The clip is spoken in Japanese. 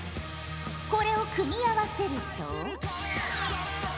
これを組み合わせると。